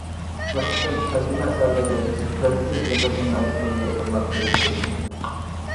بىر قىسىم تەرجىمە ئەسەرلىرى دەرسلىك يانداشما مەشىقلىرىگە تاللاپ كىرگۈزۈلدى.